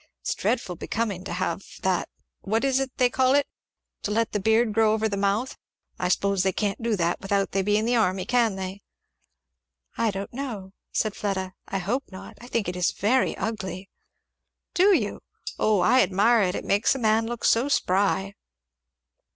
It's dreadful becoming to have that what is it they call it? to let the beard grow over the mouth. I s'pose they can't do that without they be in the army can they?" "I don't know," said Fleda. "I hope not. I think it is very ugly." "Do you? Oh! I admire it. It makes a man look so spry!"